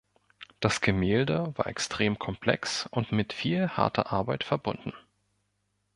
Das Gemälde war extrem komplex und mit viel harter Arbeit verbunden.